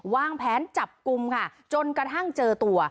วางแผนจับกลุ่มค่ะจนกระทั่งเจอตัว